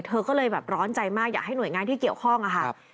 เธอก็เลยแบบร้อนใจมากอยากให้หน่วยงานที่เกี่ยวข้องค่ะ